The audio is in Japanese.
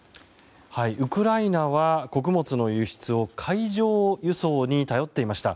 ウクライナは穀物の輸出を海上輸送に頼っていました。